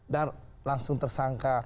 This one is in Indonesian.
dan langsung tersangka